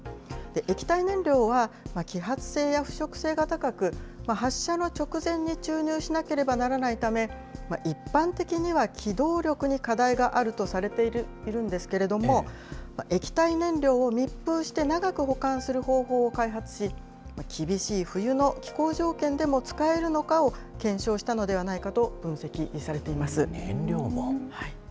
液体燃料は揮発性や腐食性が高く、発射の直前に注入しなければならないため、一般的には機動力に課題があるとされているんですけれども、液体燃料を密封して長く保管する方法を開発し、厳しい冬の気候条件でも使えるのかを検証したのではないかと分析燃料も。